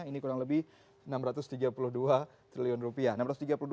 ini kurang lebih enam ratus tiga puluh dua triliun rupiah